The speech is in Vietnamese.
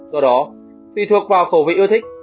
do đó tùy thuộc vào khẩu vị ưa thích